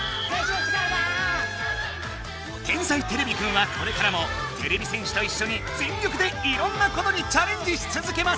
「天才てれびくん」はこれからもてれび戦士といっしょに全力でいろんなことにチャレンジしつづけます！